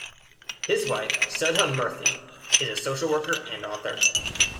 His wife, Sudha Murthy, is a social worker and author.